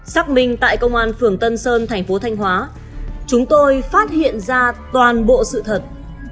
xác minh tại công an phường tân sơn thành phố thanh hóa chúng tôi phát hiện ra toàn bộ sự thật